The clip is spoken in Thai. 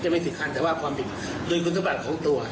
มีความผิดโดยคุณตุมารณ์ของตัว